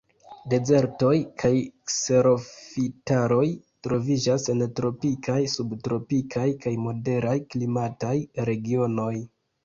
Dezertoj kaj kserofitaroj troviĝas en tropikaj, subtropikaj, kaj moderaj klimataj regionoj.